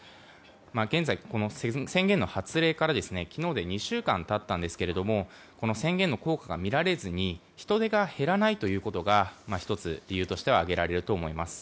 現在、宣言の発令から昨日で２週間経ったんですがこの宣言の効果が見られず人出が減らないことが１つ理由としては上げられると思います。